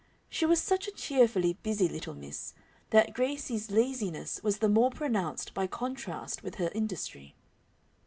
She was such a cheerfully busy little miss that Gracie's laziness was the more pronounced by contrast with her industry.